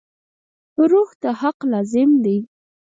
روح ته حق لازم دی.